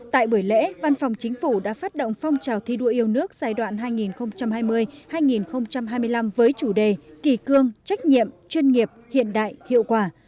tại buổi lễ văn phòng chính phủ đã phát động phong trào thi đua yêu nước giai đoạn hai nghìn hai mươi hai nghìn hai mươi năm với chủ đề kỳ cương trách nhiệm chuyên nghiệp hiện đại hiệu quả